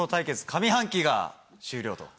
上半期が終了と。